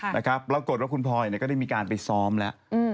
ปรากฏว่าคุณพลอยก็ได้มีการไปซ้อมแล้ว